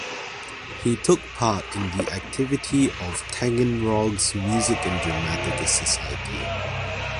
He took part in the activity of Taganrog's Music and Dramatic Society.